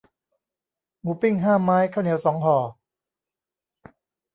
หมูปิ้งห้าไม้ ข้าวเหนียวสองห่อ